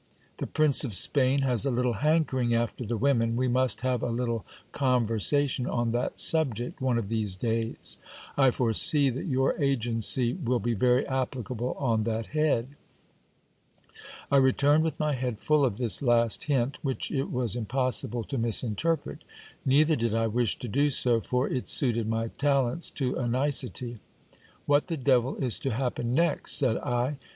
The Prince of Spain has a little hankering after the women ; we must have a little conversation on that subject one of these days ; I foresee that your agency will be very applicable on that head. I returned with my head full of this last hint, which it was impossible to misinterpret. Neither did I wish to do so, for it suited my talents to a nicety. What the devil is to happen next ? said I.